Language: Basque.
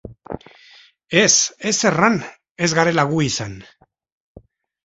Ez, ez erran ez garela gu izan.